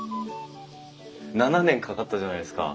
７年かかったじゃないですか。